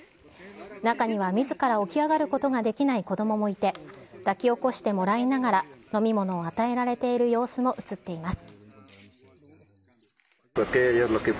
中には、みずから起き上がることができない子どももいて、抱き起こしてもらいながら、飲み物を与えられている様子も映っています。